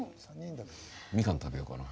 みかん食べようかな。